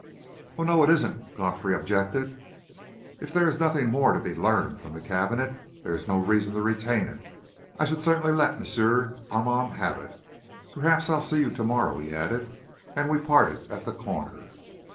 "Oh, no, it isn't," Godfrey objected. "If there is nothing more to be learned from the cabinet, there is no reason to retain it. I should certainly let M. Armand have it. Perhaps I'll see you to morrow," he added, and we parted at the corner.